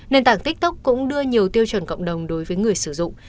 nền tảng tiktok cũng đưa nhiều tiêu chuẩn cộng đồng đối với người sử dụng